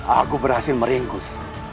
aku berhasil meringkus